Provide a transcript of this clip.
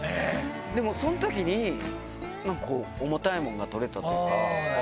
でもそのときに、重たいものが取れたっていうか。